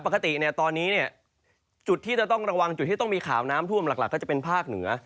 ปกติเนี่ยตอนนี้เนี่ยจุดที่จะต้องระวังจุดที่ต้องมีข่าวน้ำท่วมหลักก็จะเป็นภาคเหนือ